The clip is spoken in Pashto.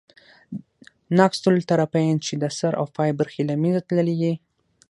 ناقص الطرفین، چي د سر او پای برخي ئې له منځه تللي يي.